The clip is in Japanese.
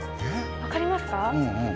分かりますか？